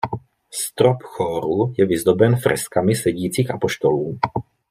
Strop chóru je vyzdoben freskami sedících apoštolů.